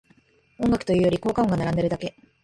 音楽というより効果音が並んでるだけ